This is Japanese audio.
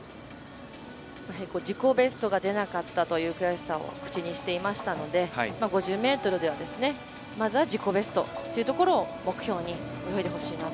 自己ベストが出なかったという悔しさを口にしていましたので５０ｍでは、まずは自己ベストっていうところを目標に。